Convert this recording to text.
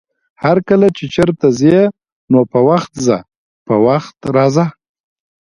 هرکله چې چېرته ځې نو په وخت ځه، په وخت راځه!